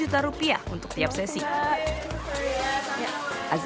jadi kita harus berusaha untuk memperbaiki kondisi